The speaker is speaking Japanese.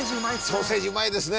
ソーセージうまいですね